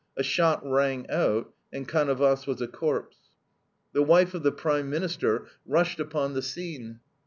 A shot rang out, and Canovas was a corpse. The wife of the Prime Minister rushed upon the scene.